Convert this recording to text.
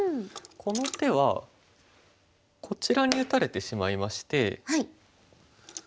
この手はこちらに打たれてしまいまして。